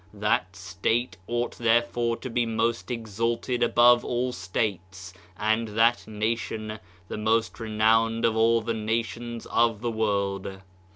That state ought therefore to be most exalted above all states, and that nation the most renowned of all the nations of the world.